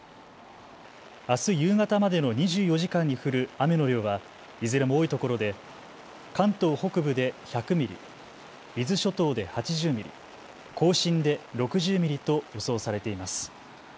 あす夕方までの２４時間に降る雨の量はいずれも多いところで関東北部で１００ミリ、伊豆諸島で８０ミリ、甲信で６０ミリと予想されています。